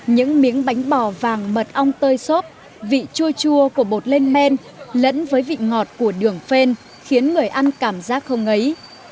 những miếng bánh bò vàng mật ong tơi xốp vị chua chua của bột lên men lẫn với vị ngọt của đường phên khiến người ăn cảm giác không ngấy